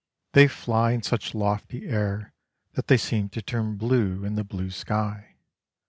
They fly in such lofty air that they seem to turn blue in the blue sky.